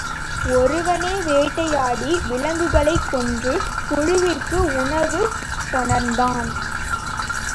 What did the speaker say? ஒருவனே வேட்டையாடி விலங்குகளைக் கொன்று குழுவிற்கு உணவு கொணர்ந்தான்.